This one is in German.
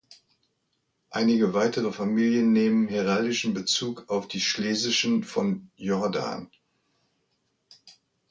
Einige weitere Familien nehmen heraldischen Bezug auf die schlesischen von Jordan.